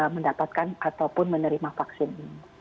mendapatkan ataupun menerima vaksin ini